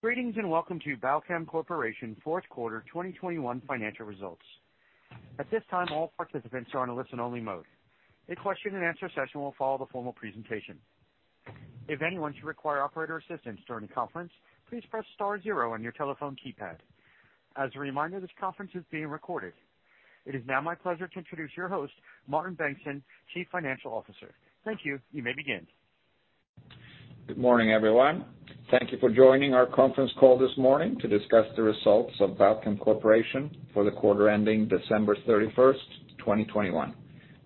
Greetings, and welcome to Balchem Corporation's fourth quarter 2021 financial results. At this time, all participants are in listen-only mode. A question-and-answer session will follow the formal presentation. If anyone should require operator assistance during the conference, please press star zero on your telephone keypad. As a reminder, this conference is being recorded. It is now my pleasure to introduce your host, Martin Bengtsson, Chief Financial Officer. Thank you. You may begin. Good morning, everyone. Thank you for joining our conference call this morning to discuss the results of Balchem Corporation for the quarter ending December 31, 2021.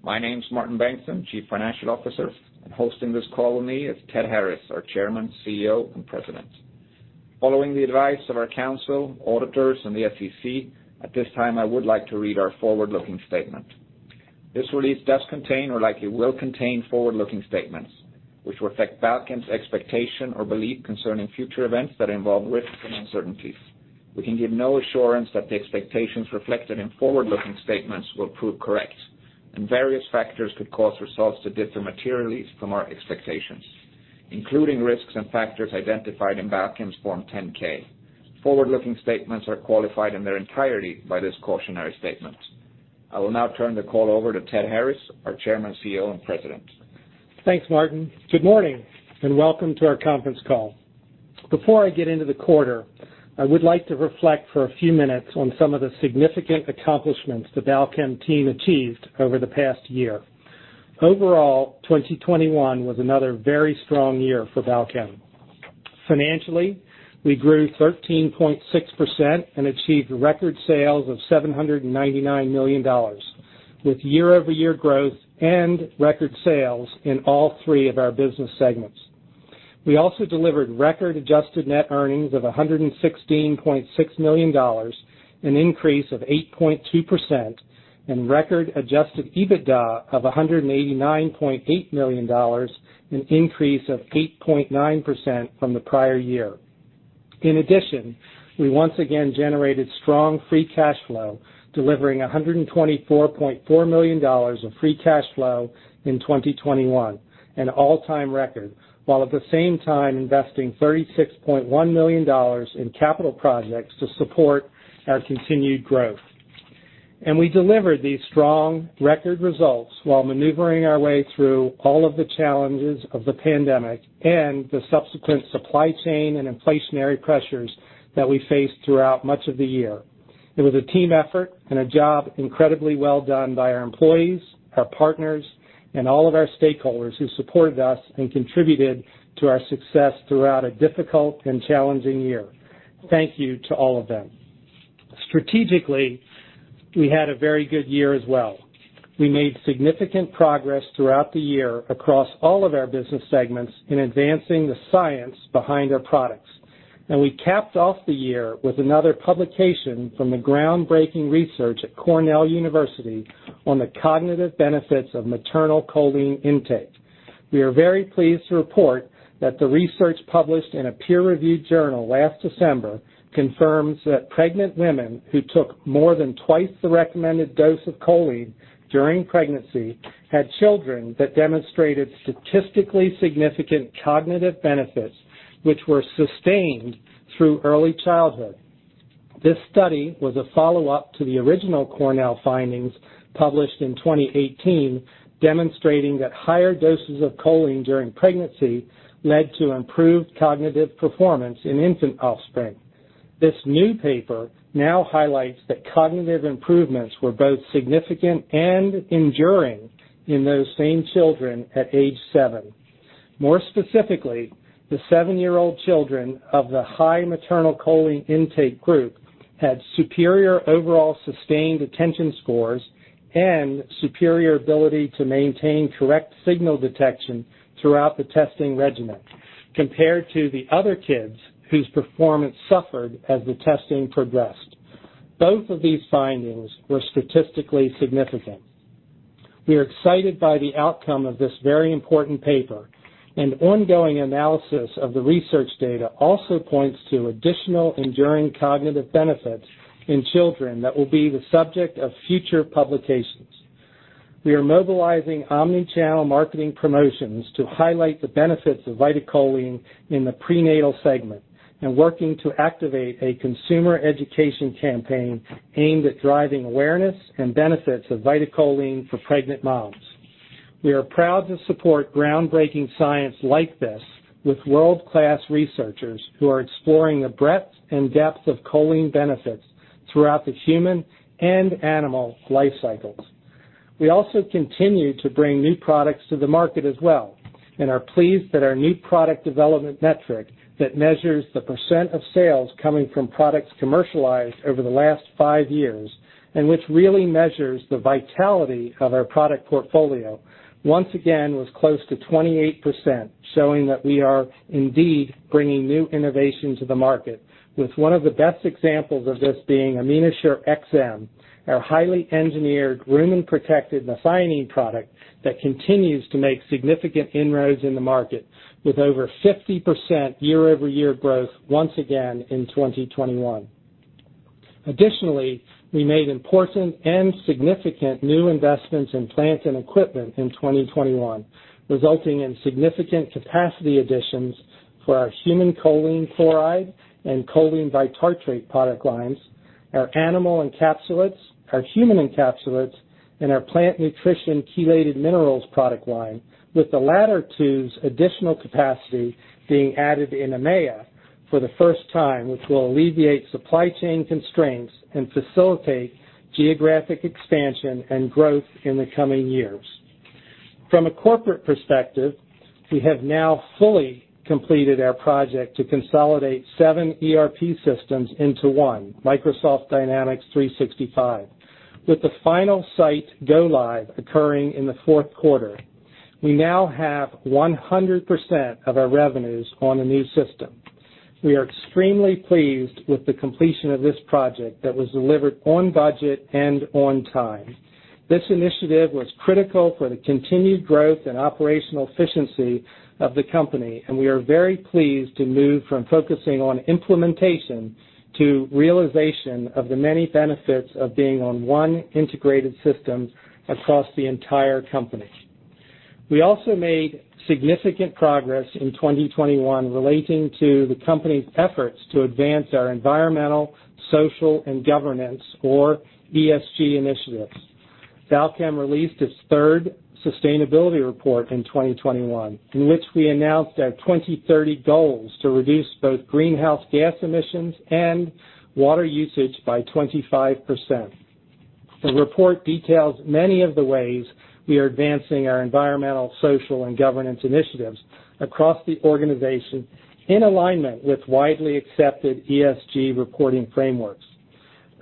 My name is Martin Bengtsson, Chief Financial Officer, and hosting this call with me is Ted Harris, our Chairman, CEO, and President. Following the advice of our counsel, auditors, and the SEC, at this time, I would like to read our forward-looking statement. This release does contain or likely will contain forward-looking statements which reflect Balchem's expectation or belief concerning future events that involve risks and uncertainties. We can give no assurance that the expectations reflected in forward-looking statements will prove correct, and various factors could cause results to differ materially from our expectations, including risks and factors identified in Balchem's Form 10-K. Forward-looking statements are qualified in their entirety by this cautionary statement. I will now turn the call over to Ted Harris, our Chairman, CEO, and President. Thanks, Martin. Good morning, and welcome to our conference call. Before I get into the quarter, I would like to reflect for a few minutes on some of the significant accomplishments the Balchem team achieved over the past year. Overall, 2021 was another very strong year for Balchem. Financially, we grew 13.6% and achieved record sales of $799 million, with year-over-year growth and record sales in all three of our business segments. We also delivered record adjusted net earnings of $116.6 million, an increase of 8.2%, and record adjusted EBITDA of $189.8 million, an increase of 8.9% from the prior year. In addition, we once again generated strong free cash flow, delivering $124.4 million of free cash flow in 2021, an all-time record, while at the same time investing $36.1 million in capital projects to support our continued growth. We delivered these strong record results while maneuvering our way through all of the challenges of the pandemic and the subsequent supply chain and inflationary pressures that we faced throughout much of the year. It was a team effort and a job incredibly well done by our employees, our partners, and all of our stakeholders who supported us and contributed to our success throughout a difficult and challenging year. Thank you to all of them. Strategically, we had a very good year as well. We made significant progress throughout the year across all of our business segments in advancing the science behind our products. We capped off the year with another publication from the groundbreaking research at Cornell University on the cognitive benefits of maternal choline intake. We are very pleased to report that the research published in a peer-reviewed journal last December confirms that pregnant women who took more than twice the recommended dose of choline during pregnancy had children that demonstrated statistically significant cognitive benefits which were sustained through early childhood. This study was a follow-up to the original Cornell findings published in 2018, demonstrating that higher doses of choline during pregnancy led to improved cognitive performance in infant offspring. This new paper now highlights that cognitive improvements were both significant and enduring in those same children at age seven. More specifically, the seven-year-old children of the high maternal choline intake group had superior overall sustained attention scores and superior ability to maintain correct signal detection throughout the testing regimen compared to the other kids whose performance suffered as the testing progressed. Both of these findings were statistically significant. We are excited by the outcome of this very important paper, and ongoing analysis of the research data also points to additional enduring cognitive benefits in children that will be the subject of future publications. We are mobilizing omni-channel marketing promotions to highlight the benefits of VitaCholine in the prenatal segment and working to activate a consumer education campaign aimed at driving awareness and benefits of VitaCholine for pregnant moms. We are proud to support groundbreaking science like this with world-class researchers who are exploring the breadth and depth of choline benefits throughout the human and animal life cycles. We also continue to bring new products to the market as well and are pleased that our new product development metric that measures the percent of sales coming from products commercialized over the last five years, and which really measures the vitality of our product portfolio, once again was close to 28%, showing that we are indeed bringing new innovation to the market, with one of the best examples of this being AminoShure-XM, our highly engineered rumen-protected methionine product that continues to make significant inroads in the market with over 50% year-over-year growth once again in 2021. Additionally, we made important and significant new investments in plant and equipment in 2021, resulting in significant capacity additions for our human choline chloride and choline bitartrate product lines, our animal encapsulates, our human encapsulates, and our plant nutrition chelated minerals product line, with the latter two's additional capacity being added in EMEA for the first time, which will alleviate supply chain constraints and facilitate geographic expansion and growth in the coming years. From a corporate perspective, we have now fully completed our project to consolidate seven ERP systems into one, Microsoft Dynamics 365. With the final site go live occurring in the fourth quarter, we now have 100% of our revenues on the new system. We are extremely pleased with the completion of this project that was delivered on budget and on time. This initiative was critical for the continued growth and operational efficiency of the company, and we are very pleased to move from focusing on implementation to realization of the many benefits of being on one integrated system across the entire company. We also made significant progress in 2021 relating to the company's efforts to advance our environmental, social, and governance, or ESG initiatives. Balchem released its third sustainability report in 2021, in which we announced our 2030 goals to reduce both greenhouse gas emissions and water usage by 25%. The report details many of the ways we are advancing our environmental, social, and governance initiatives across the organization in alignment with widely accepted ESG reporting frameworks.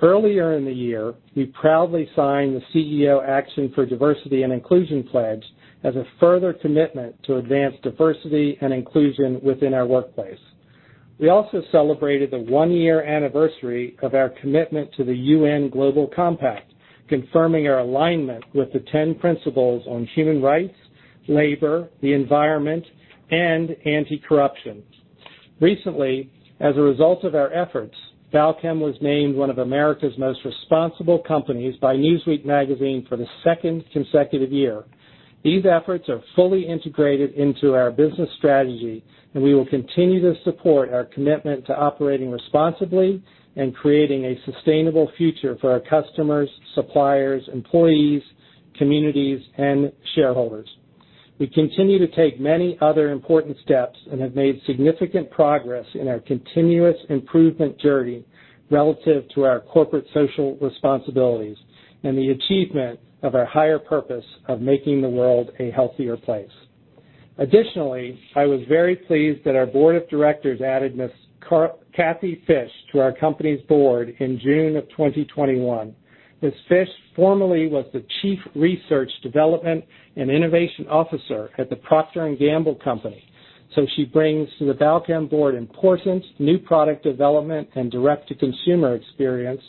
Earlier in the year, we proudly signed the CEO Action for Diversity & Inclusion pledge as a further commitment to advance diversity and inclusion within our workplace. We also celebrated the one-year anniversary of our commitment to the UN Global Compact, confirming our alignment with the ten principles on human rights, labor, the environment, and anti-corruption. Recently, as a result of our efforts, Balchem was named one of America's most responsible companies by Newsweek for the second consecutive year. These efforts are fully integrated into our business strategy, and we will continue to support our commitment to operating responsibly and creating a sustainable future for our customers, suppliers, employees, communities, and shareholders. We continue to take many other important steps and have made significant progress in our continuous improvement journey relative to our corporate social responsibilities and the achievement of our higher purpose of making the world a healthier place. Additionally, I was very pleased that our board of directors added Kathy Fish to our company's board in June 2021. Ms. Fish formerly was the Chief Research, Development and Innovation Officer at the Procter & Gamble Company, so she brings to the Balchem board important new product development and direct-to-consumer experience,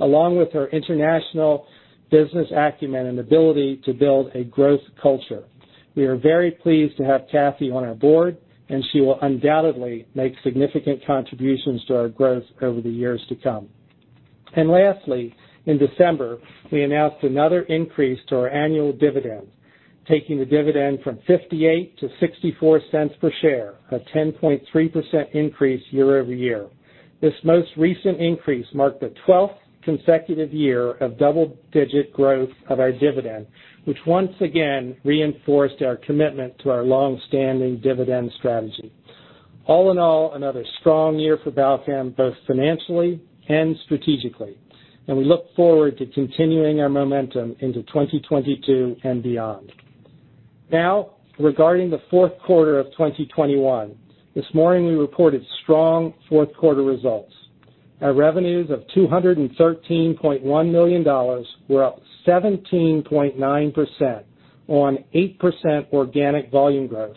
along with her international business acumen and ability to build a growth culture. We are very pleased to have Kathy on our board, and she will undoubtedly make significant contributions to our growth over the years to come. Lastly, in December, we announced another increase to our annual dividend, taking the dividend from $0.58 to $0.64 per share, a 10.3% increase year-over-year. This most recent increase marked the 12th consecutive year of double-digit growth of our dividend, which once again reinforced our commitment to our long-standing dividend strategy. All in all, another strong year for Balchem, both financially and strategically, and we look forward to continuing our momentum into 2022 and beyond. Now, regarding the fourth quarter of 2021, this morning we reported strong fourth quarter results. Our revenues of $213.1 million were up 17.9% on 8% organic volume growth,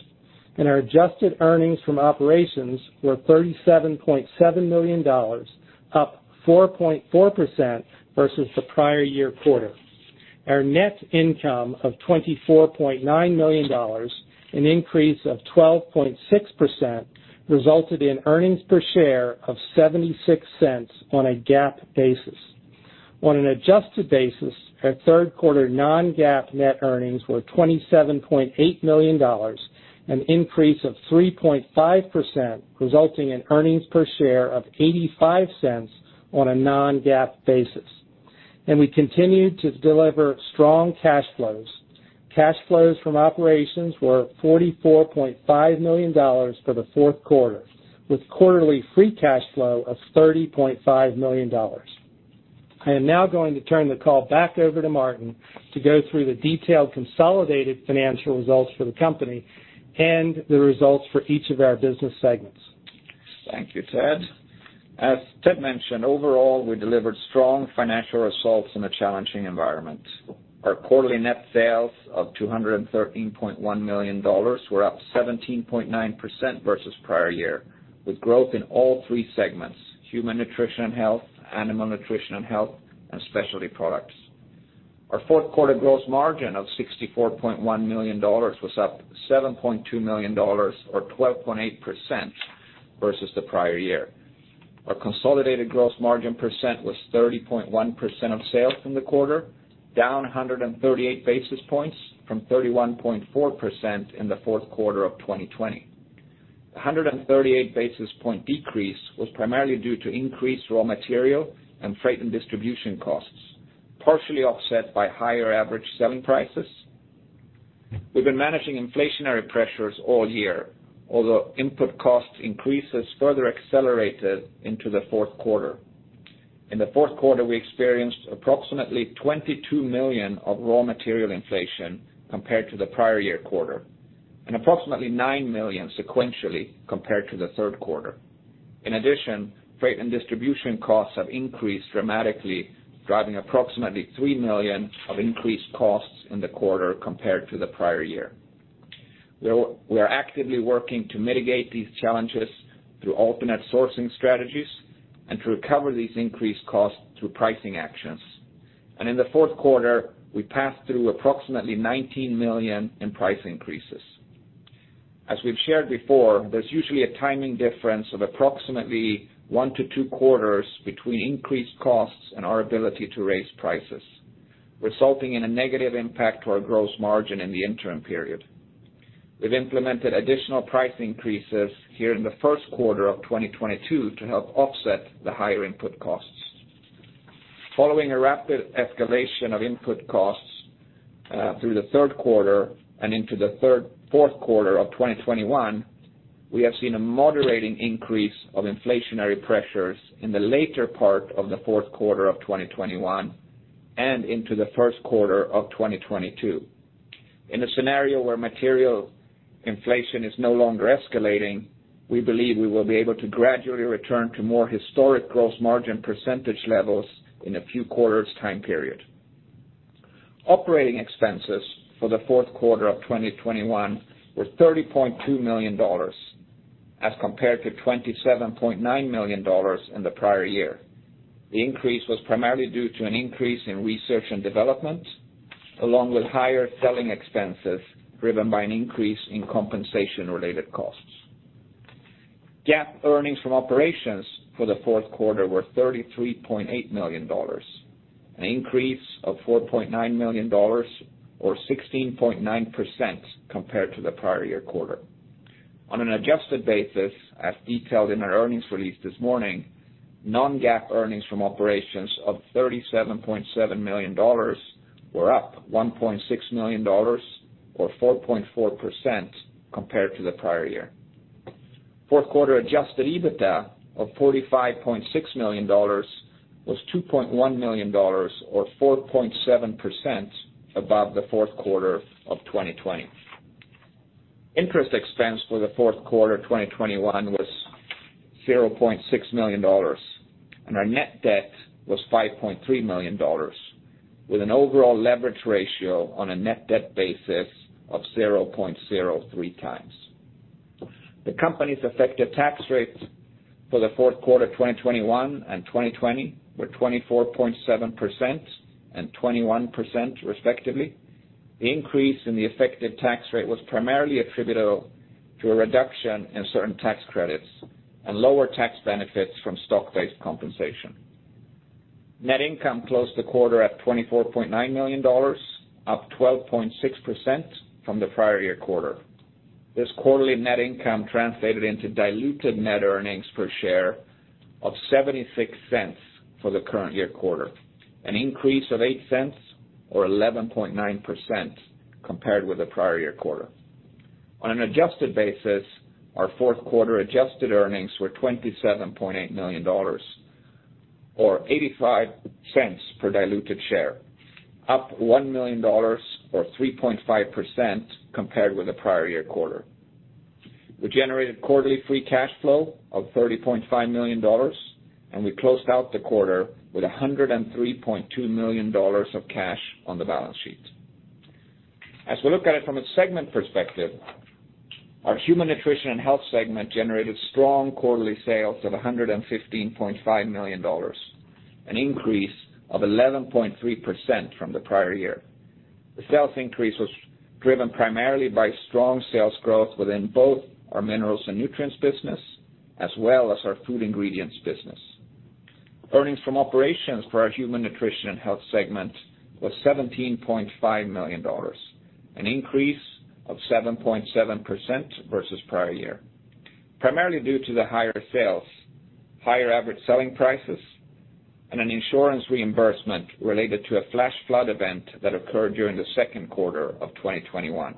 and our adjusted earnings from operations were $37.7 million, up 4.4% versus the prior year quarter. Our net income of $24.9 million, an increase of 12.6%, resulted in earnings per share of $0.76 on a GAAP basis. On an adjusted basis, our third quarter non-GAAP net earnings were $27.8 million, an increase of 3.5%, resulting in earnings per share of $0.85 on a non-GAAP basis. We continued to deliver strong cash flows. Cash flows from operations were $44.5 million for the fourth quarter, with quarterly free cash flow of $30.5 million. I am now going to turn the call back over to Martin to go through the detailed consolidated financial results for the company and the results for each of our business segments. Thank you, Ted. As Ted mentioned, overall, we delivered strong financial results in a challenging environment. Our quarterly net sales of $213.1 million were up 17.9% versus prior year, with growth in all three segments, Human Nutrition & Health, Animal Nutrition & Health, and Specialty Products. Our fourth quarter gross margin of $64.1 million was up $7.2 million or 12.8% versus the prior year. Our consolidated gross margin percent was 30.1% of sales from the quarter, down 138 basis points from 31.4% in the fourth quarter of 2020. The 138 basis point decrease was primarily due to increased raw material and freight and distribution costs, partially offset by higher average selling prices. We've been managing inflationary pressures all year, although input cost increases further accelerated into the fourth quarter. In the fourth quarter, we experienced approximately $22 million of raw material inflation compared to the prior year quarter, and approximately $9 million sequentially compared to the third quarter. In addition, freight and distribution costs have increased dramatically, driving approximately $3 million of increased costs in the quarter compared to the prior year. We are actively working to mitigate these challenges through alternate sourcing strategies and to recover these increased costs through pricing actions. In the fourth quarter, we passed through approximately $19 million in price increases. As we've shared before, there's usually a timing difference of approximately 1-2 quarters between increased costs and our ability to raise prices, resulting in a negative impact to our gross margin in the interim period. We've implemented additional price increases here in the first quarter of 2022 to help offset the higher input costs. Following a rapid escalation of input costs through the third quarter and into the fourth quarter of 2021, we have seen a moderating increase of inflationary pressures in the later part of the fourth quarter of 2021 and into the first quarter of 2022. In a scenario where material inflation is no longer escalating, we believe we will be able to gradually return to more historic gross margin percentage levels in a few quarters time period. Operating expenses for the fourth quarter of 2021 were $30.2 million as compared to $27.9 million in the prior year. The increase was primarily due to an increase in research and development, along with higher selling expenses driven by an increase in compensation-related costs. GAAP earnings from operations for the fourth quarter were $33.8 million, an increase of $4.9 million or 16.9% compared to the prior year quarter. On an adjusted basis, as detailed in our earnings release this morning, non-GAAP earnings from operations of $37.7 million were up $1.6 million or 4.4% compared to the prior year. Fourth quarter adjusted EBITDA of $45.6 million was $2.1 million or 4.7% above the fourth quarter of 2020. Interest expense for the fourth quarter of 2021 was $0.6 million, and our net debt was $5.3 million, with an overall leverage ratio on a net debt basis of 0.03 times. The company's effective tax rates for the fourth quarter 2021 and 2020 were 24.7% and 21%, respectively. The increase in the effective tax rate was primarily attributable to a reduction in certain tax credits and lower tax benefits from stock-based compensation. Net income closed the quarter at $24.9 million, up 12.6% from the prior year quarter. This quarterly net income translated into diluted net earnings per share of $0.76 for the current year quarter, an increase of $0.08 or 11.9% compared with the prior year quarter. On an adjusted basis, our fourth quarter adjusted earnings were $27.8 million or $0.85 per diluted share, up $1 million or 3.5% compared with the prior year quarter. We generated quarterly free cash flow of $30.5 million, and we closed out the quarter with $103.2 million of cash on the balance sheet. As we look at it from a segment perspective, our Human Nutrition & Health segment generated strong quarterly sales of $115.5 million, an increase of 11.3% from the prior year. The sales increase was driven primarily by strong sales growth within both our minerals and nutrients business as well as our food ingredients business. Earnings from operations for our Human Nutrition & Health segment was $17.5 million, an increase of 7.7% versus prior year, primarily due to the higher sales, higher average selling prices, and an insurance reimbursement related to a flash flood event that occurred during the second quarter of 2021.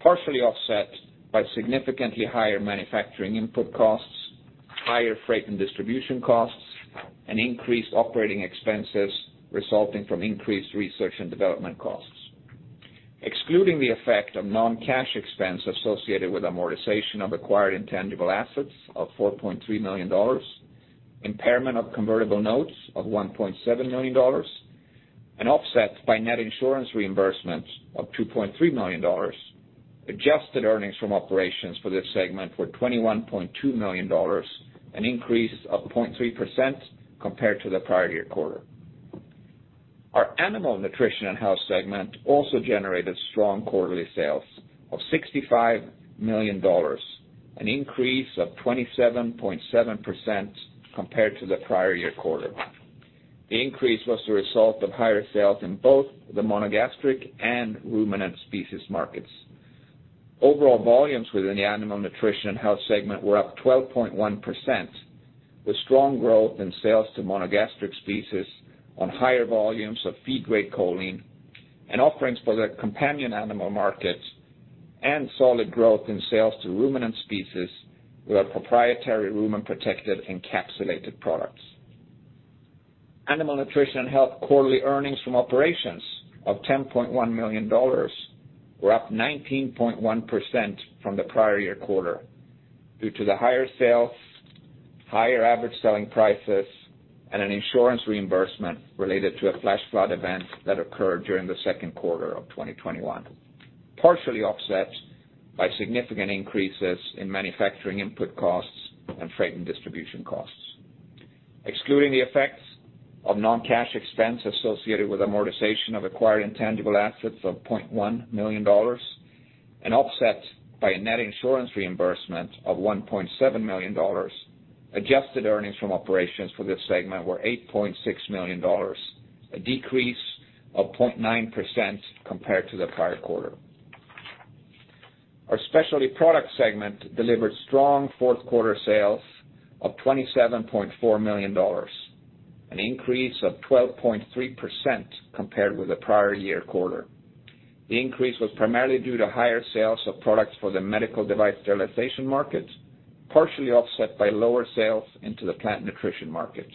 Partially offset by significantly higher manufacturing input costs, higher freight and distribution costs, and increased operating expenses resulting from increased research and development costs. Excluding the effect of non-cash expense associated with amortization of acquired intangible assets of $4.3 million, impairment of convertible notes of $1.7 million, and offset by net insurance reimbursements of $2.3 million, adjusted earnings from operations for this segment were $21.2 million, an increase of 0.3% compared to the prior year quarter. Our Animal Nutrition and Health segment also generated strong quarterly sales of $65 million, an increase of 27.7% compared to the prior year quarter. The increase was the result of higher sales in both the monogastric and ruminant species markets. Overall volumes within the Animal Nutrition and Health segment were up 12.1%, with strong growth in sales to monogastric species on higher volumes of feed-grade choline and offerings for the companion animal markets, and solid growth in sales to ruminant species with our proprietary ruminant-protected encapsulated products. Animal Nutrition & Health quarterly earnings from operations of $10.1 million were up 19.1% from the prior-year quarter due to higher sales, higher average selling prices, and an insurance reimbursement related to a flash flood event that occurred during the second quarter of 2021, partially offset by significant increases in manufacturing input costs and freight and distribution costs. Excluding the effects of non-cash expense associated with amortization of acquired intangible assets of $0.1 million and offset by a net insurance reimbursement of $1.7 million, adjusted earnings from operations for this segment were $8.6 million, a decrease of 0.9% compared to the prior-quarter. Our Specialty Products segment delivered strong fourth quarter sales of $27.4 million, an increase of 12.3% compared with the prior-year quarter. The increase was primarily due to higher sales of products for the medical device sterilization market, partially offset by lower sales into the plant nutrition market.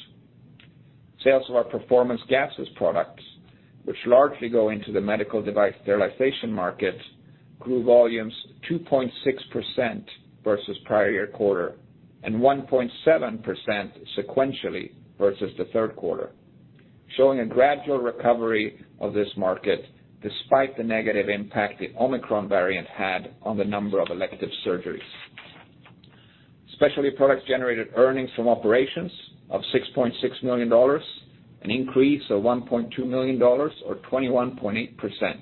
Sales of our performance gases products, which largely go into the medical device sterilization market, grew volumes 2.6% versus prior year quarter and 1.7% sequentially versus the third quarter, showing a gradual recovery of this market despite the negative impact the Omicron variant had on the number of elective surgeries. Specialty Products generated earnings from operations of $6.6 million, an increase of $1.2 million or 21.8%.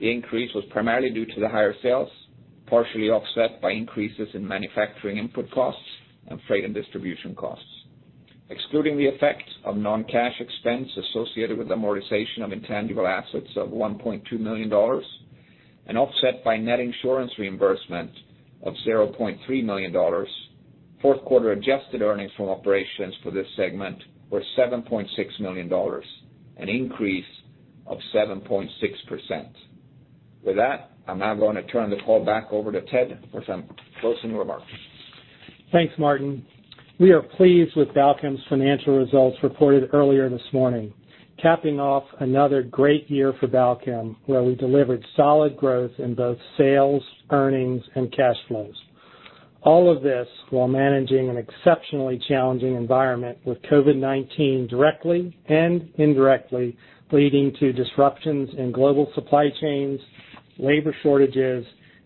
The increase was primarily due to the higher sales, partially offset by increases in manufacturing input costs and freight and distribution costs. Excluding the effect of non-cash expense associated with amortization of intangible assets of $1.2 million and offset by net insurance reimbursement of $0.3 million, fourth quarter adjusted earnings from operations for this segment were $7.6 million, an increase of 7.6%. With that, I'm now going to turn the call back over to Ted for some closing remarks. Thanks, Martin. We are pleased with Balchem's financial results reported earlier this morning, capping off another great year for Balchem, where we delivered solid growth in both sales, earnings, and cash flows. All of this while managing an exceptionally challenging environment, with COVID-19 directly and indirectly leading to disruptions in global supply chains, labor shortages,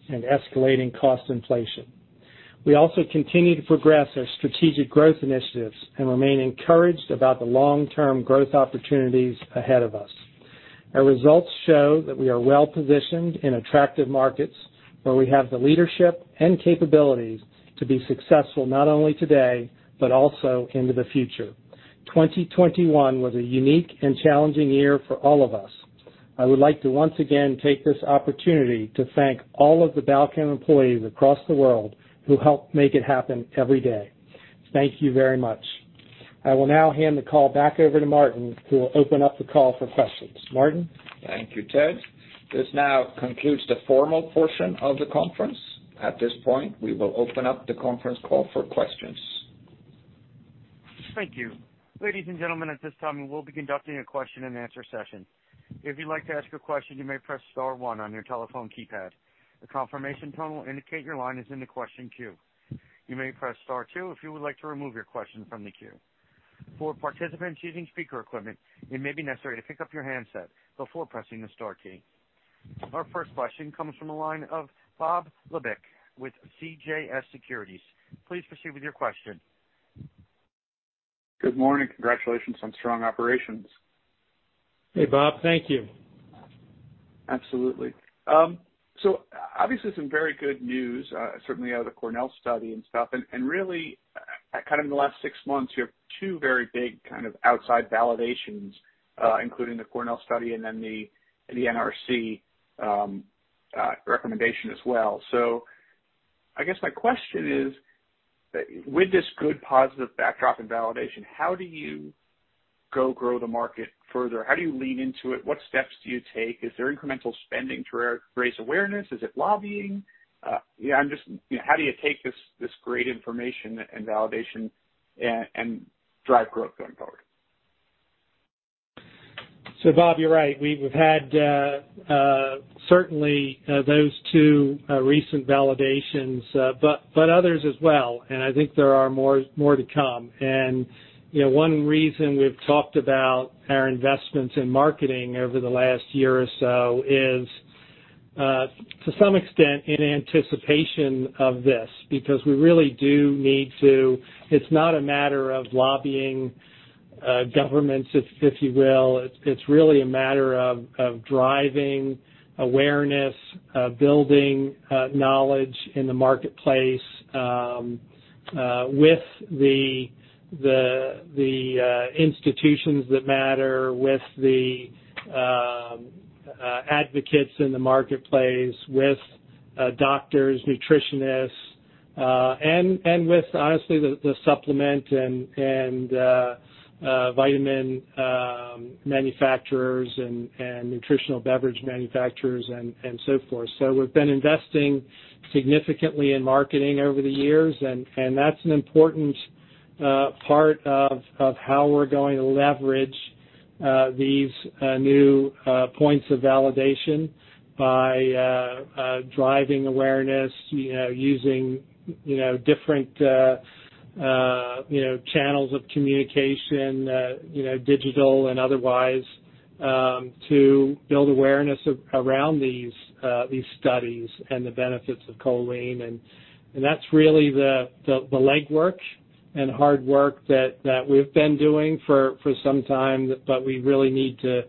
and escalating cost inflation. We also continue to progress our strategic growth initiatives and remain encouraged about the long-term growth opportunities ahead of us. Our results show that we are well-positioned in attractive markets, where we have the leadership and capabilities to be successful not only today but also into the future. 2021 was a unique and challenging year for all of us. I would like to once again take this opportunity to thank all of the Balchem employees across the world who help make it happen every day. Thank you very much. I will now hand the call back over to Martin, who will open up the call for questions. Martin? Thank you, Ted. This now concludes the formal portion of the conference. At this point, we will open up the conference call for questions. Thank you. Ladies and gentlemen, at this time, we'll be conducting a question and answer session. If you'd like to ask a question, you may press star one on your telephone keypad. A confirmation tone will indicate your line is in the question queue. You may press star two if you would like to remove your question from the queue. For participants using speaker equipment, it may be necessary to pick up your handset before pressing the star key. Our first question comes from the line of Bob Labick with CJS Securities. Please proceed with your question. Good morning. Congratulations on strong operations. Hey, Bob. Thank you. Absolutely. Obviously some very good news, certainly out of the Cornell study and stuff. Really, kind of in the last six months, you have two very big kind of outside validations, including the Cornell study and then the NRC recommendation as well. I guess my question is, with this good positive backdrop and validation, how do you go grow the market further? How do you lean into it? What steps do you take? Is there incremental spending to raise awareness? Is it lobbying? Yeah, I'm just, you know, how do you take this great information and validation and drive growth going forward? Bob, you're right. We've had certainly those two recent validations, but others as well. I think there are more to come. You know, one reason we've talked about our investments in marketing over the last year or so is to some extent in anticipation of this, because we really do need to. It's not a matter of lobbying governments, if you will. It's really a matter of driving awareness, building knowledge in the marketplace, with the institutions that matter, with the advocates in the marketplace, with doctors, nutritionists, and with honestly, the supplement and vitamin manufacturers and nutritional beverage manufacturers and so forth. We've been investing significantly in marketing over the years, and that's an important part of how we're going to leverage these new points of validation by driving awareness, you know, using you know different you know channels of communication you know digital and otherwise to build awareness around these studies and the benefits of choline. That's really the legwork and hard work that we've been doing for some time, but we really need to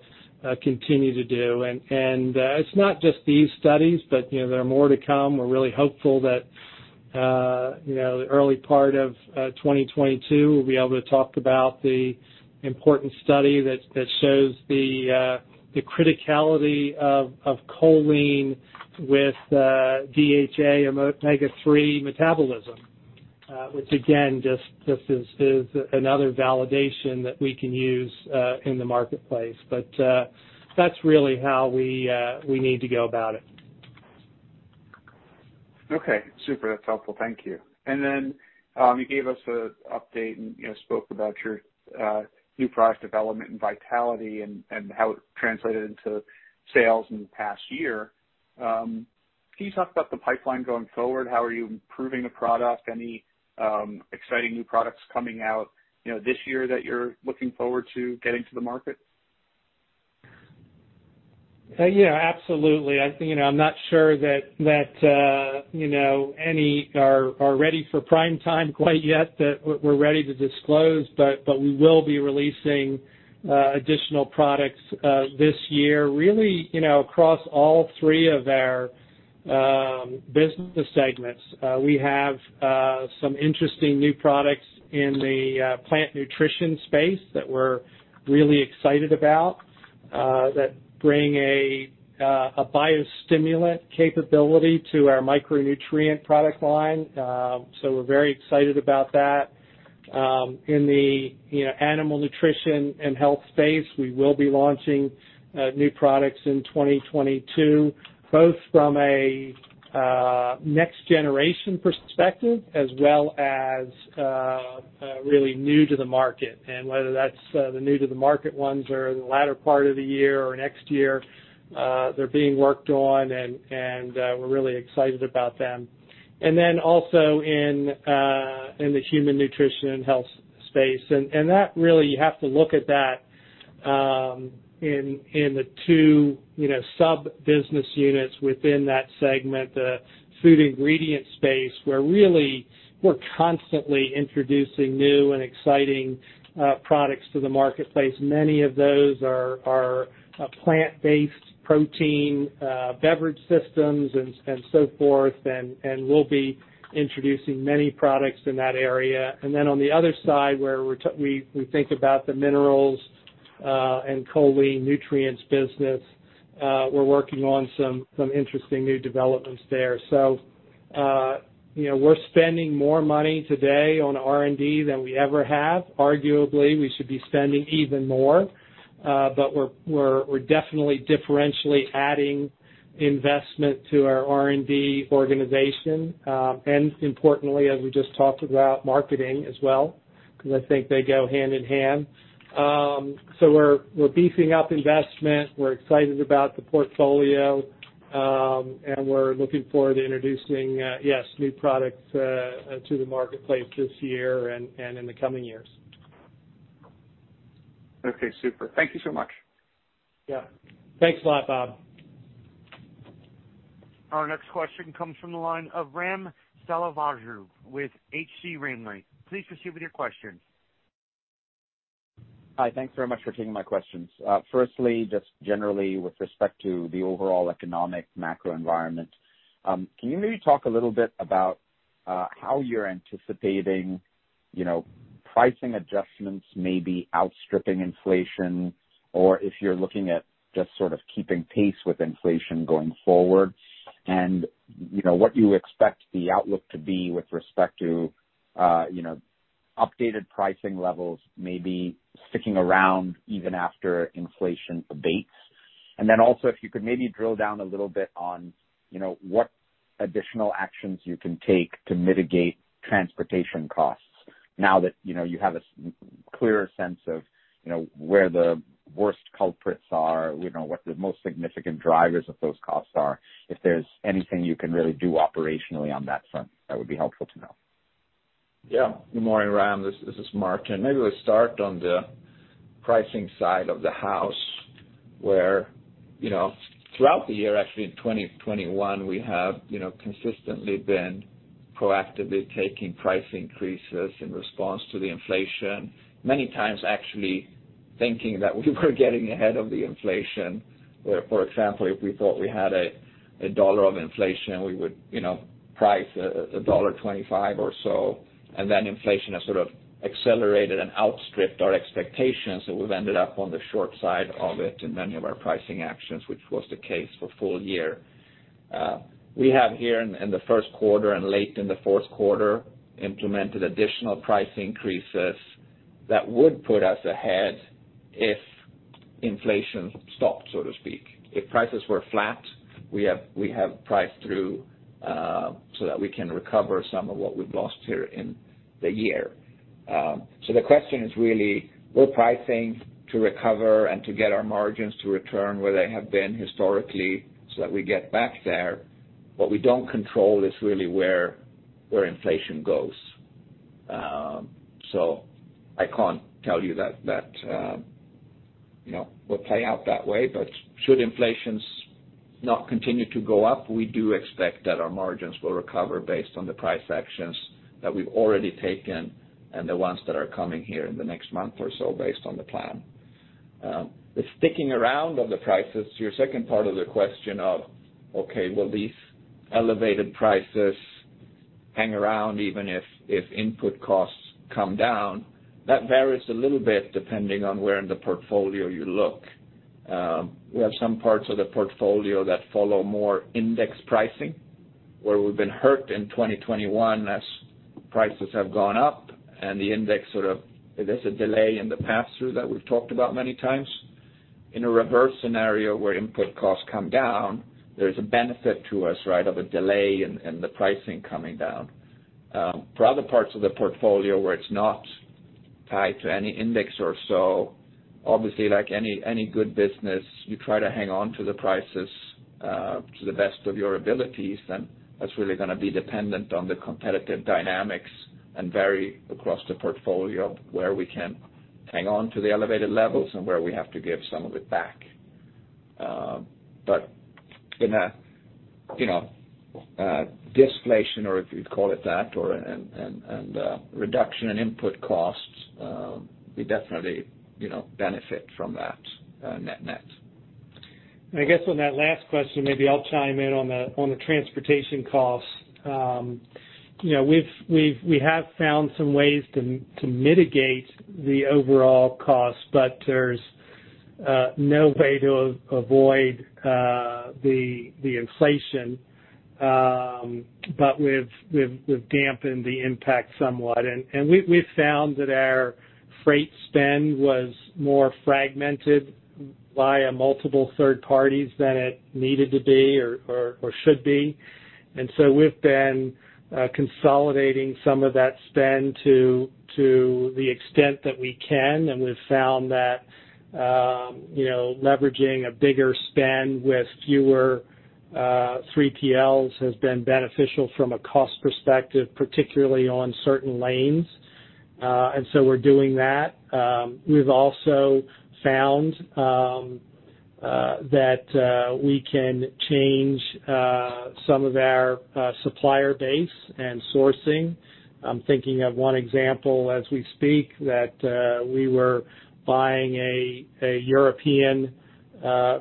continue to do. It's not just these studies, but you know there are more to come. We're really hopeful that, you know, the early part of 2022, we'll be able to talk about the important study that shows the criticality of choline with DHA and omega-3 metabolism, which again, just is another validation that we can use in the marketplace. That's really how we need to go about it. Okay. Super, that's helpful. Thank you. Then, you gave us an update and, you know, spoke about your new product development and vitality and how it translated into sales in the past year. Can you talk about the pipeline going forward? How are you improving the product? Any exciting new products coming out, you know, this year that you're looking forward to getting to the market? Yeah, absolutely. I think, you know, I'm not sure that any are ready for prime time quite yet that we're ready to disclose, but we will be releasing additional products this year, really, you know, across all three of our business segments. We have some interesting new products in the plant nutrition space that we're really excited about that bring a biostimulant capability to our micronutrient product line. We're very excited about that. In the Animal Nutrition & Health space, we will be launching new products in 2022, both from a next generation perspective as well as really new to the market. Whether that's the new to the market ones or the latter part of the year or next year, they're being worked on and we're really excited about them. Then also in the Human Nutrition & Health space. That really, you have to look at that in the two, you know, sub-business units within that segment. The food ingredient space, where really we're constantly introducing new and exciting products to the marketplace. Many of those are plant-based protein beverage systems and so forth, and we'll be introducing many products in that area. Then on the other side, where we think about the minerals and choline nutrients business, we're working on some interesting new developments there. You know, we're spending more money today on R&D than we ever have. Arguably, we should be spending even more. We're definitely differentially adding investment to our R&D organization. Importantly, as we just talked about, marketing as well, because I think they go hand in hand. We're beefing up investment. We're excited about the portfolio. We're looking forward to introducing yes new products to the marketplace this year and in the coming years. Okay, super. Thank you so much. Yeah. Thanks a lot, Bob. Our next question comes from the line of Ram Selvaraju with H.C. Wainwright. Please proceed with your question. Hi. Thanks very much for taking my questions. First, just generally with respect to the overall economic macro environment, can you maybe talk a little bit about how you're anticipating, you know, pricing adjustments may be outstripping inflation, or if you're looking at just sort of keeping pace with inflation going forward? What you expect the outlook to be with respect to, you know, updated pricing levels may be sticking around even after inflation abates? If you could maybe drill down a little bit on, you know, what additional actions you can take to mitigate transportation costs now that, you know, you have a much clearer sense of, you know, where the worst culprits are, you know, what the most significant drivers of those costs are, if there's anything you can really do operationally on that front, that would be helpful to know. Yeah. Good morning, Ram. This is Martin. Maybe let's start on the pricing side of the house, where, you know, throughout the year, actually in 2021, we have, you know, consistently been proactively taking price increases in response to the inflation. Many times actually thinking that we were getting ahead of the inflation, where, for example, if we thought we had a dollar of inflation, we would, you know, price a dollar twenty-five or so. Inflation has sort of accelerated and outstripped our expectations, so we've ended up on the short side of it in many of our pricing actions, which was the case for full year. We have here in the first quarter and late in the fourth quarter implemented additional price increases that would put us ahead if inflation stopped, so to speak. If prices were flat, we have priced through so that we can recover some of what we've lost here in the year. The question is really we're pricing to recover and to get our margins to return where they have been historically so that we get back there. What we don't control is really where inflation goes. I can't tell you that you know will play out that way. Should inflations not continue to go up, we do expect that our margins will recover based on the price actions that we've already taken and the ones that are coming here in the next month or so based on the plan. The sticking around of the prices, your second part of the question of, okay, will these elevated prices hang around even if input costs come down? That varies a little bit depending on where in the portfolio you look. We have some parts of the portfolio that follow more index pricing, where we've been hurt in 2021 as prices have gone up and the index sort of there's a delay in the pass-through that we've talked about many times. In a reverse scenario where input costs come down, there's a benefit to us, right, of a delay in the pricing coming down. For other parts of the portfolio where it's not tied to any index or so, obviously like any good business, you try to hang on to the prices, to the best of your abilities, then that's really gonna be dependent on the competitive dynamics and vary across the portfolio where we can hang on to the elevated levels and where we have to give some of it back. In a deflation or if you'd call it that, or a reduction in input costs, we definitely, you know, benefit from that net net. I guess on that last question, maybe I'll chime in on the transportation costs. You know, we have found some ways to mitigate the overall cost, but there's no way to avoid the inflation. We've dampened the impact somewhat. We have found that our freight spend was more fragmented by multiple third parties than it needed to be or should be. We've been consolidating some of that spend to the extent that we can. We've found that, you know, leveraging a bigger spend with fewer 3PLs has been beneficial from a cost perspective, particularly on certain lanes. We're doing that. We've also found that we can change some of our supplier base and sourcing. I'm thinking of one example as we speak that we were buying a European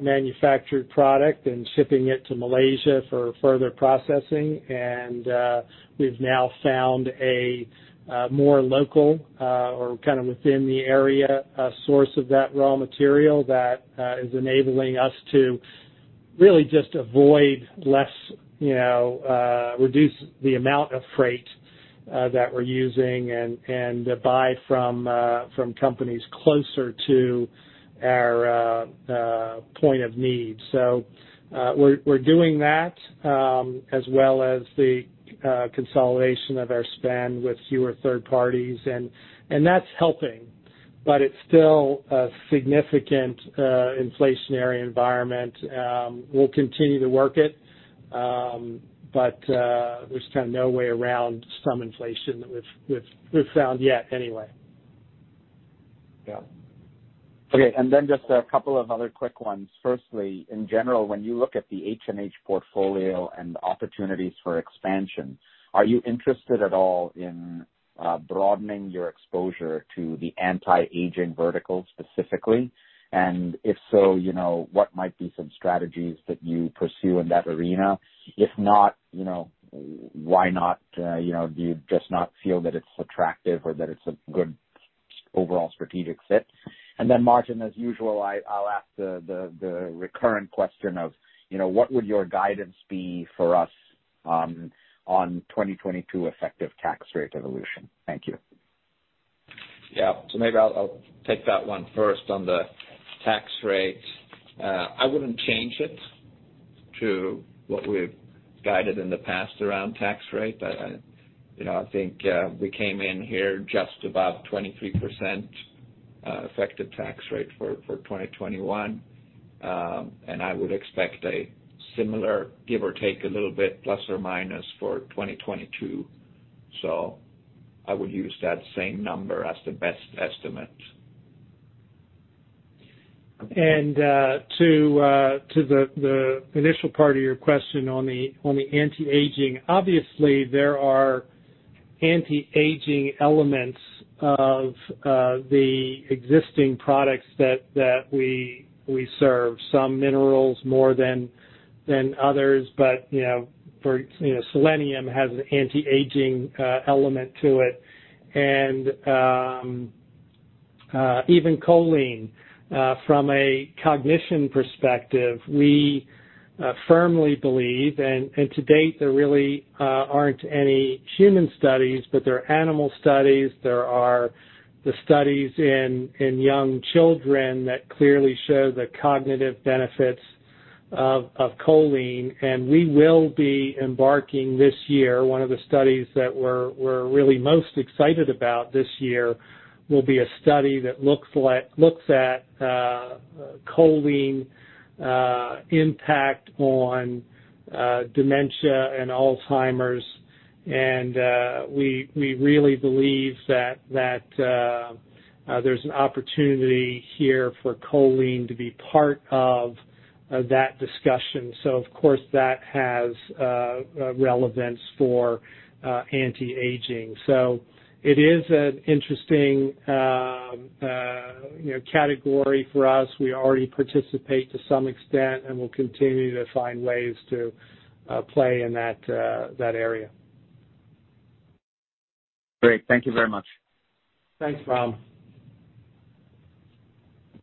manufactured product and shipping it to Malaysia for further processing. We've now found a more local or kind of within the area source of that raw material that is enabling us to really just you know reduce the amount of freight that we're using and buy from companies closer to our point of need. We're doing that as well as the consolidation of our spend with fewer third parties. That's helping, but it's still a significant inflationary environment. We'll continue to work it, but there's kind of no way around some inflation that we've found yet anyway. Yeah. Okay. Just a couple of other quick ones. Firstly, in general, when you look at the HNH portfolio and the opportunities for expansion, are you interested at all in broadening your exposure to the anti-aging vertical specifically? And if so, you know, what might be some strategies that you pursue in that arena? If not, you know, why not? You know, do you just not feel that it's attractive or that it's a good overall strategic fit? Martin, as usual, I'll ask the recurrent question of, you know, what would your guidance be for us on 2022 effective tax rate evolution? Thank you. Yeah. Maybe I'll take that one first. On the tax rate, I wouldn't change it to what we've guided in the past around tax rate. I, you know, I think, we came in here just about 23% effective tax rate for 2021. And I would expect a similar give or take a little bit plus or minus for 2022. I would use that same number as the best estimate. To the initial part of your question on the anti-aging. Obviously, there are anti-aging elements of the existing products that we serve, some minerals more than others. You know, selenium has an anti-aging element to it. Even choline from a cognition perspective, we firmly believe, and to date, there really aren't any human studies, but there are animal studies. There are the studies in young children that clearly show the cognitive benefits of choline. We will be embarking this year, one of the studies that we're really most excited about this year will be a study that looks at choline impact on dementia and Alzheimer's. We really believe that there's an opportunity here for choline to be part of that discussion. Of course, that has relevance for anti-aging. It is an interesting, you know, category for us. We already participate to some extent, and we'll continue to find ways to play in that area. Great. Thank you very much. Thanks, Ram.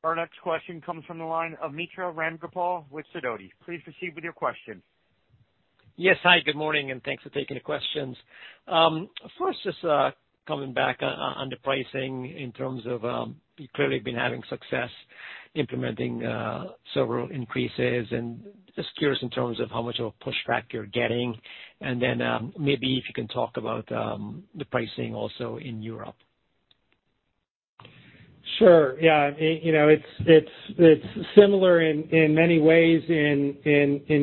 Our next question comes from the line of Mitra Ramgopal with Sidoti. Please proceed with your question. Yes. Hi, good morning, and thanks for taking the questions. First, just coming back on the pricing in terms of, you clearly have been having success implementing several increases. Just curious in terms of how much of a pushback you're getting. Maybe if you can talk about the pricing also in Europe. Sure. Yeah. You know, it's similar in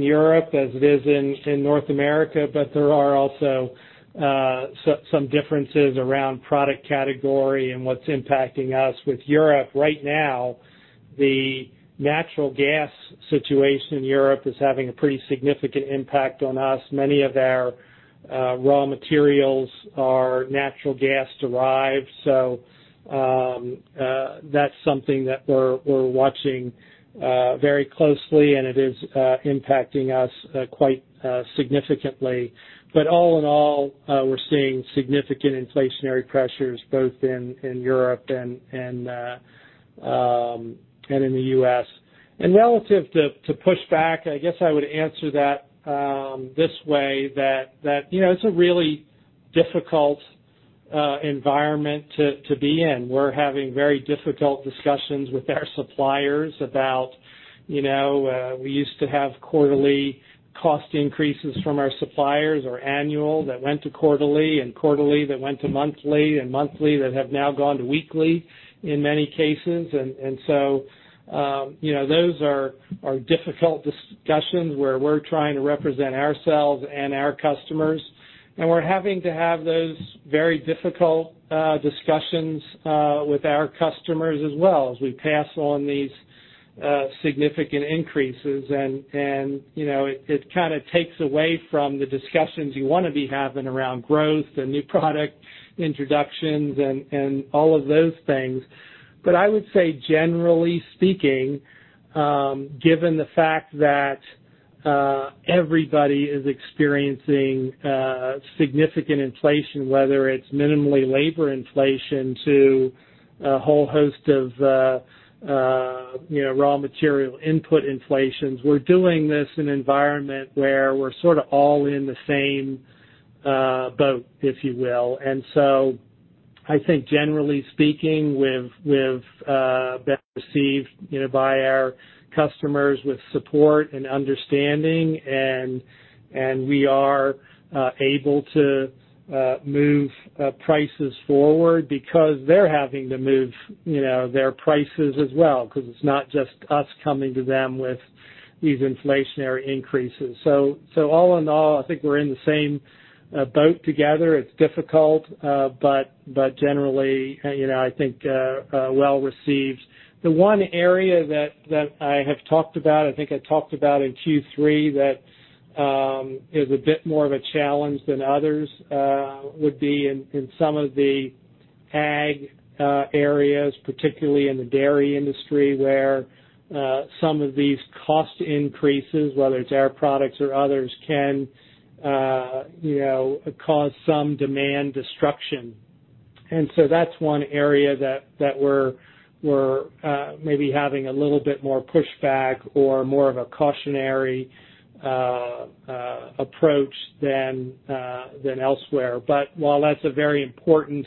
Europe as it is in North America. There are also some differences around product category and what's impacting us. With Europe right now, the natural gas situation in Europe is having a pretty significant impact on us. Many of our raw materials are natural gas derived. That's something that we're watching very closely, and it is impacting us quite significantly. All in all, we're seeing significant inflationary pressures both in Europe and in the US. Relative to pushback, I guess I would answer that this way, that you know, it's a really difficult environment to be in. We're having very difficult discussions with our suppliers about we used to have quarterly cost increases from our suppliers or annual that went to quarterly and quarterly that went to monthly and monthly that have now gone to weekly in many cases. Those are difficult discussions where we're trying to represent ourselves and our customers. We're having to have those very difficult discussions with our customers as well as we pass on these significant increases. You know, it kind of takes away from the discussions you wanna be having around growth and new product introductions and all of those things. I would say generally speaking, given the fact that everybody is experiencing significant inflation, whether it's minimally labor inflation to a whole host of, you know, raw material input inflations. We're doing this in an environment where we're sort of all in the same boat, if you will. I think generally speaking, we've been received, you know, by our customers with support and understanding, and we are able to move prices forward because they're having to move, you know, their prices as well, because it's not just us coming to them with these inflationary increases. All in all, I think we're in the same boat together. It's difficult, but generally, you know, I think well received. The one area that I have talked about, I think I talked about in Q3, is a bit more of a challenge than others would be in some of the ag areas, particularly in the dairy industry. Where some of these cost increases, whether it's our products or others, can you know cause some demand destruction. That's one area that we're maybe having a little bit more pushback or more of a cautionary approach than elsewhere. While that's a very important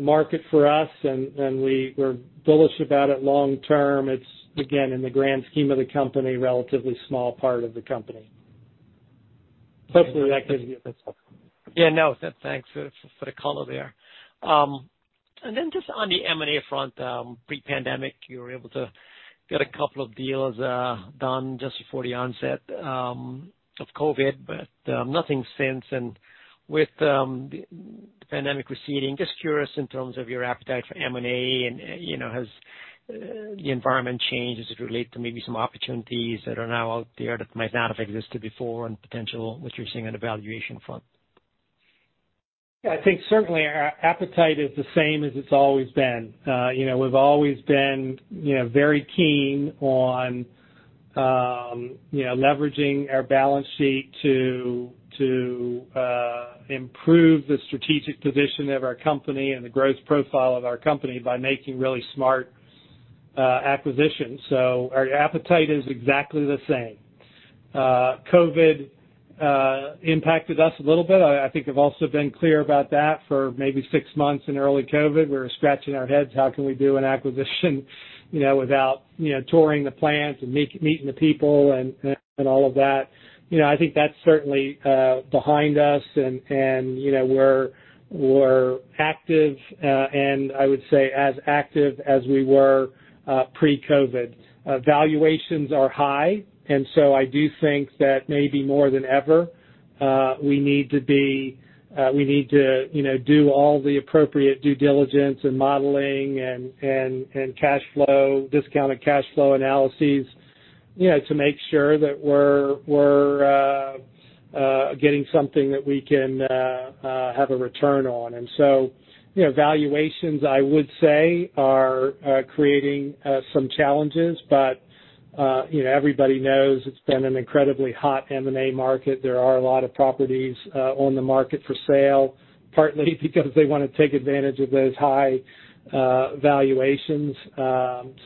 market for us and we're bullish about it long term, it's again, in the grand scheme of the company, a relatively small part of the company. Yeah, no, thanks for the color there. Then just on the M&A front, pre-pandemic, you were able to get a couple of deals done just before the onset of COVID, but nothing since. With the pandemic receding, just curious in terms of your appetite for M&A and, you know, has the environment changed as it relates to maybe some opportunities that are now out there that might not have existed before, and potential what you're seeing on the valuation front? Yeah, I think certainly our appetite is the same as it's always been. You know, we've always been, you know, very keen on, you know, leveraging our balance sheet to improve the strategic position of our company and the growth profile of our company by making really smart acquisitions. Our appetite is exactly the same. COVID impacted us a little bit. I think I've also been clear about that for maybe six months in early COVID, we were scratching our heads, how can we do an acquisition, you know, without, you know, touring the plants and meeting the people and all of that. You know, I think that's certainly behind us and, you know, we're active and I would say as active as we were pre-COVID. Valuations are high, and so I do think that maybe more than ever, we need to, you know, do all the appropriate due diligence and modeling and cash flow, discounted cash flow analyses, you know, to make sure that we're getting something that we can have a return on. You know, valuations I would say are creating some challenges. You know, everybody knows it's been an incredibly hot M&A market. There are a lot of properties on the market for sale, partly because they wanna take advantage of those high valuations.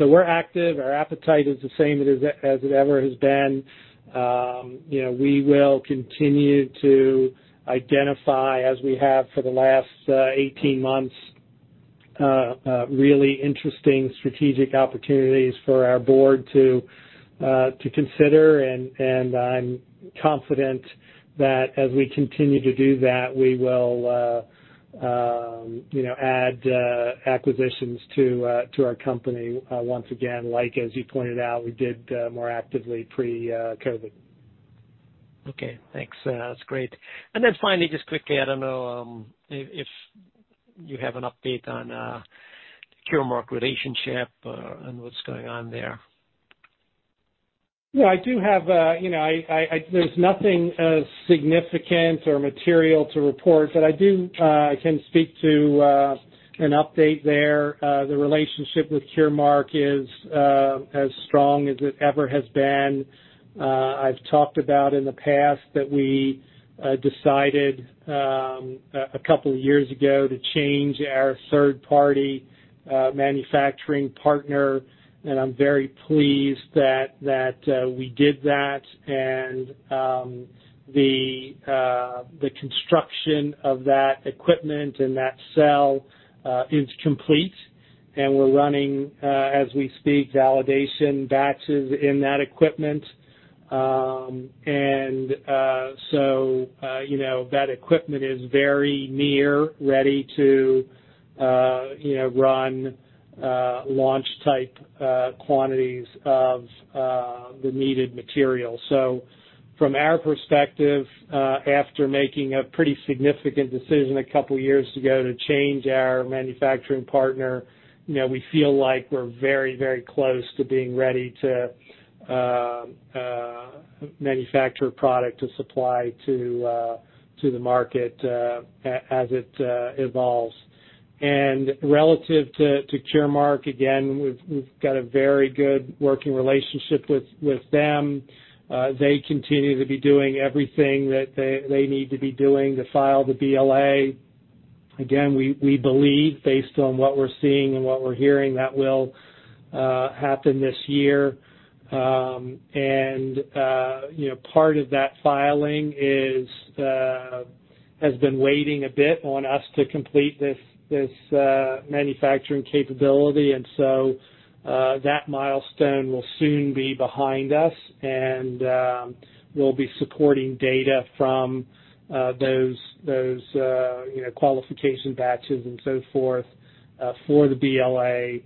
We're active. Our appetite is the same as it ever has been. You know, we will continue to identify, as we have for the last 18 months, really interesting strategic opportunities for our board to consider. I'm confident that as we continue to do that, we will, you know, add acquisitions to our company once again, like as you pointed out, we did more actively pre-COVID. Okay. Thanks. That's great. Then finally, just quickly, I don't know if you have an update on Curemark relationship, and what's going on there. Yeah, I do have, you know, there's nothing significant or material to report, but I can speak to an update there. The relationship with Curemark is as strong as it ever has been. I've talked about in the past that we decided a couple of years ago to change our third-party manufacturing partner, and I'm very pleased that we did that. The construction of that equipment and that cell is complete, and we're running as we speak, validation batches in that equipment. You know, that equipment is very near ready to you know, run launch type quantities of the needed material. From our perspective, after making a pretty significant decision a couple years ago to change our manufacturing partner, you know, we feel like we're very, very close to being ready to manufacture product to supply to the market as it evolves. Relative to Curemark, again, we've got a very good working relationship with them. They continue to be doing everything that they need to be doing to file the BLA. Again, we believe based on what we're seeing and what we're hearing, that will happen this year. You know, part of that filing has been waiting a bit on us to complete this manufacturing capability. That milestone will soon be behind us, and we'll be supporting data from those, you know, qualification batches and so forth for the BLA.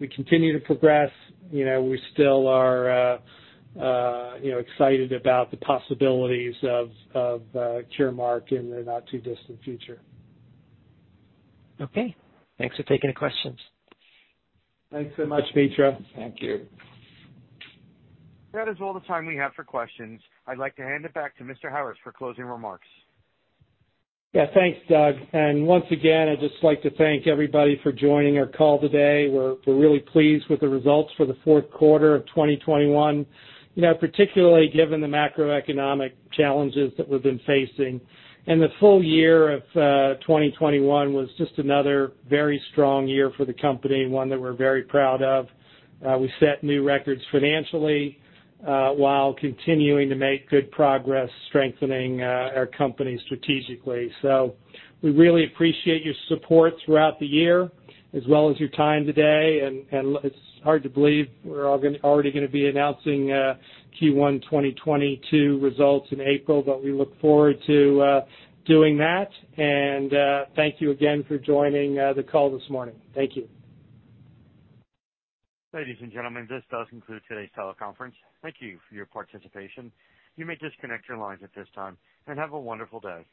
We continue to progress. You know, we still are, you know, excited about the possibilities of Curemark in the not too distant future. Okay. Thanks for taking the questions. Thanks so much, Mitra. Thank you. That is all the time we have for questions. I'd like to hand it back to Mr. Harris for closing remarks. Thanks, Doug. Once again, I'd just like to thank everybody for joining our call today. We're really pleased with the results for the fourth quarter of 2021, particularly given the macroeconomic challenges that we've been facing. The full year of 2021 was just another very strong year for the company, one that we're very proud of. We set new records financially while continuing to make good progress strengthening our company strategically. We really appreciate your support throughout the year as well as your time today. It's hard to believe we're already gonna be announcing Q1 2022 results in April, but we look forward to doing that. Thank you again for joining the call this morning. Thank you. Ladies and gentlemen, this does conclude today's teleconference. Thank you for your participation. You may disconnect your lines at this time, and have a wonderful day.